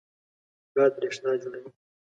باد برېښنا جوړوي.